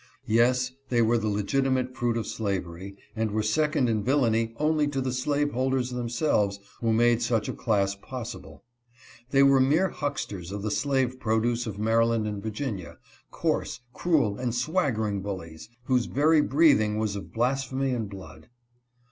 Yes, they were the legitimate fruit of slavery, and were second in vil lainy only to the slaveholders themselves who made such a class possible. They were mere hucksters of the slave produce of Maryland and Virginia — coarse, cruel, and swaggering bullies, whose very breathing was of blas phemy and blood.